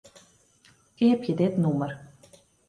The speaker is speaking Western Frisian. Keapje dit nûmer.